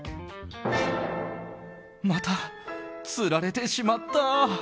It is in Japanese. また釣られてしまった。